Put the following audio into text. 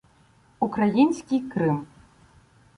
Український Крим.